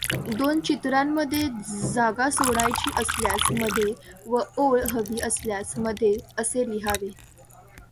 दोन चित्रांमध्ये जागा सोडायची असल्यास मध्ये व ओळ हवी असल्यास मध्ये असे लिहावे.